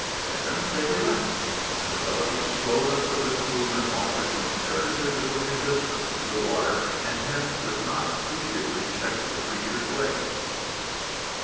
Then they relax, and the relative slowness of this movement offers comparatively little resistance to the water and hence does not appreciably check the creature's way.